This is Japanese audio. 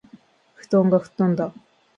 布団がふっとんだ